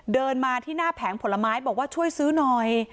เดินมาที่หน้าแผงผลไม้บอกว่าช่วยซื้อหน่อย